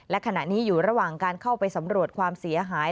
และขณะนี้อยู่ระหว่างการเข้าไปสำรวจความเสียหาย